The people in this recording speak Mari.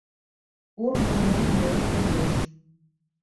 Ур мурен-мурен пӧрдеш